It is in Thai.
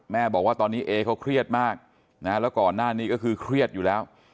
บอกว่าตอนนี้เอเขาเครียดมากนะแล้วก่อนหน้านี้ก็คือเครียดอยู่แล้ว